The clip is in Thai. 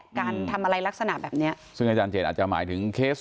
การทำอะไรลักษณะแบบเนี้ยซึ่งอาจารย์เจตอาจจะหมายถึงเคส